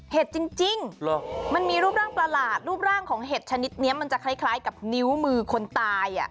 เห็ดจริงมันมีรูปร่างประหลาดรูปร่างของเห็ดชนิดนี้มันจะคล้ายกับนิ้วมือคนตาย